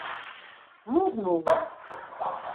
Muk muğu.